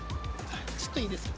ちょっといいですか？